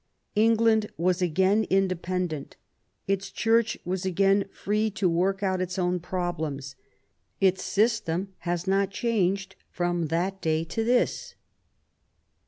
England was again independent. Its Church was again free to work out its own problems. Its system has not changed from that day to this.